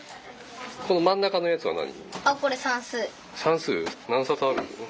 この真ん中のやつは何？